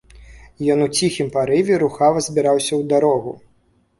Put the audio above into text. Ён у ціхім парыве рухава збіраўся ў дарогу.